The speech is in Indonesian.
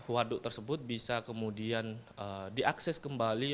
waduk tersebut bisa kemudian diakses kembali